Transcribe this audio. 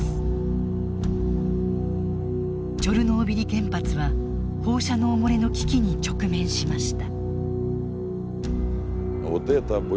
チョルノービリ原発は放射能漏れの危機に直面しました。